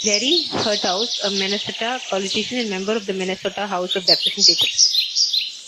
Jerry Hertaus - A Minnesota politician and member of the Minnesota House of Representatives.